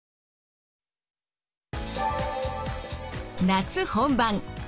夏本番。